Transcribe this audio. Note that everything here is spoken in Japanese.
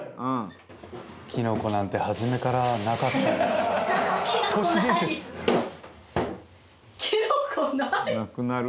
「キノコなんて初めからなかった」「なくなる？」